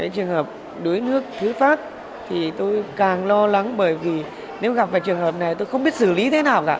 trường hợp đuối nước thứ phát thì tôi càng lo lắng bởi vì nếu gặp trường hợp này tôi không biết